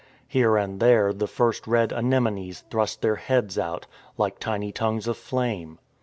Here and there the first red anemones thrust their heads out, like tiny tongues of flame.